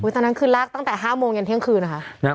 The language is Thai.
ตั้งแต่๕โมงกันเที่ยงคืนนะคะ